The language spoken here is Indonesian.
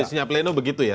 isinya pleno begitu ya